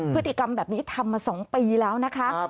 พฤติกรรมแบบนี้ทำมา๒ปีแล้วนะคะ